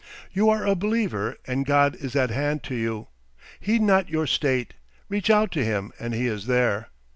You are a believer and God is at hand to you; heed not your state; reach out to him and he is there.